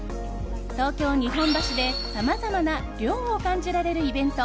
東京・日本橋で、さまざまな涼を感じられるイベント